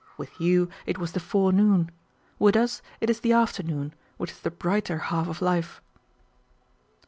With you it was the forenoon, with us it is the afternoon, which is the brighter half of life."